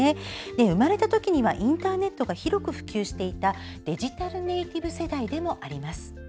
生まれた時にはインターネットが広く普及していたデジタルネイティブ世代でもあります。